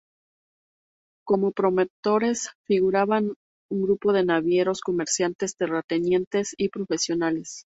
Como promotores figuraban un grupo de navieros, comerciantes, terratenientes y profesionales.